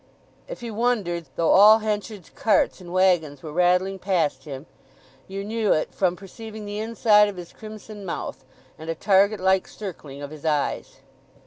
If he wondered, though all Henchard's carts and waggons were rattling past him, you knew it from perceiving the inside of his crimson mouth, and a target like circling of his eyes.